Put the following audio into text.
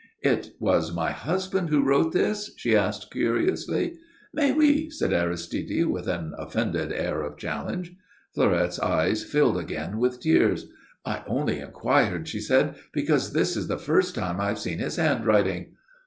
"It was my husband who wrote this?" she asked, curiously. "Mais, oui," said Aristide, with an offended air of challenge. Fleurette's eyes filled again with tears. "I only inquired," she said, "because this is the first time I have seen his handwriting."